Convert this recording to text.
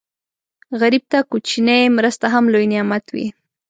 غریب ته کوچنۍ مرسته هم لوی نعمت وي